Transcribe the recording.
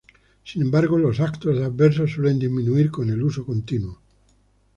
Sin embargo, los eventos adversos suelen disminuir con el uso continuo.